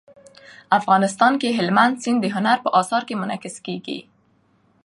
افغانستان کې هلمند سیند د هنر په اثار کې منعکس کېږي.